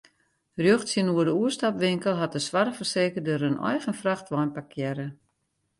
Rjocht tsjinoer de oerstapwinkel hat de soarchfersekerder in eigen frachtwein parkearre.